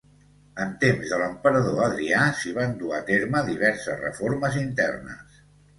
En temps de l'emperador Adrià s'hi van dur a terme diverses reformes internes.